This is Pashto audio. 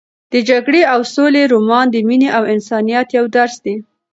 د جګړې او سولې رومان د مینې او انسانیت یو درس دی.